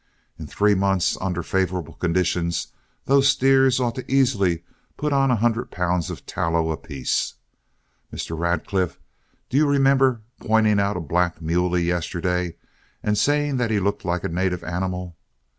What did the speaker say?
In three months, under favorable conditions, those steers ought to easily put on a hundred pounds of tallow apiece. Mr. Radcliff, do you remember pointing out a black muley yesterday and saying that he looked like a native animal?